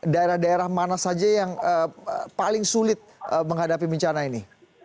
daerah daerah mana saja yang paling sulit menghadapi bencana ini